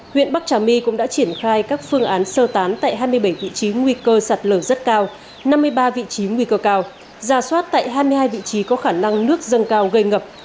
huyện bắc trà my cũng đã triển khai các phương án sơ tán tại hai mươi bảy vị trí nguy cơ sạt lở rất cao năm mươi ba vị trí nguy cơ cao ra soát tại hai mươi hai vị trí có khả năng nước dâng cao gây ngập